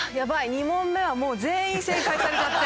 ２問目はもう全員正解されちゃって。